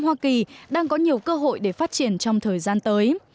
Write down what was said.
hoa kỳ đang có nhiều cơ hội để phát triển trong thời gian tới